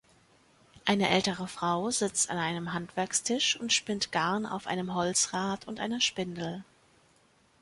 Eine ältere Frau sitzt an einem Handwerkstisch und spinnt Garn auf einem Holzrad und einer Spindel.